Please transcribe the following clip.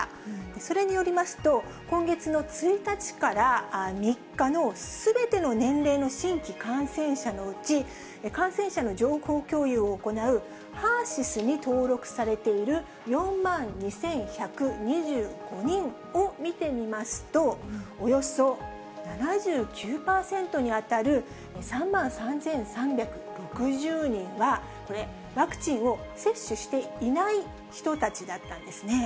それによりますと、今月の１日から３日のすべての年齢の新規感染者のうち、感染者の情報共有を行うＨＥＲーＳＹＳに登録されている４万２１２５人を見てみますと、およそ７９％に当たる３万３３６０人は、これ、ワクチンを接種していない人たちだったんですね。